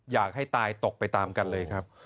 อยากให้ตายตกไปตามกันเลยครับ